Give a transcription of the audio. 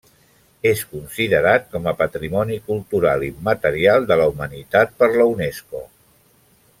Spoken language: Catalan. És considerat com a Patrimoni Cultural Immaterial de la Humanitat per la Unesco.